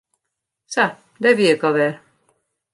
Sa, dêr wie ik al wer.